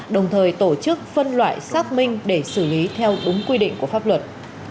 đồng thời tổ chức phân loại xác minh để xử lý theo đúng quy định của pháp luật